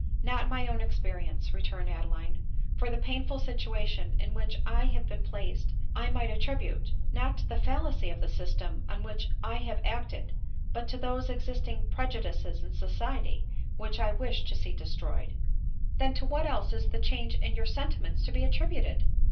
" Not my own experience," returned Adeline; "for the painful situations in which I have been placed, I might attribute, not to the fallacy of the system on which I have >T«» —i •—■— s — 260 ADELINE MOWBRAY. acted, but to th6se existing prejudices in society which I wish to see destroyed." " Then, to what else is the change in your sentiments to be attributed?"